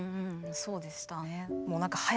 そうでしたね。